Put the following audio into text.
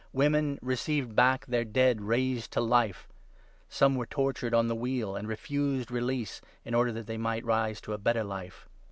Women 35 received back their dead raised to life. Some were tortured on the wheel, and refused release in order that they might rise to a better life.